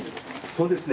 そうですね。